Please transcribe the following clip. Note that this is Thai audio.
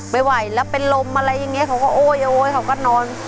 ไม่ไหวแล้วเป็นลมอะไรอย่างนี้เขาก็โอ้ยเขาก็นอน